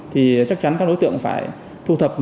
thì chắc chắn các đối tượng phải thu thập